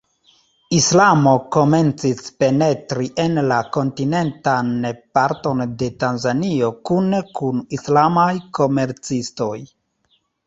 Islamo komencis penetri en la kontinentan parton de Tanzanio kune kun islamaj komercistoj.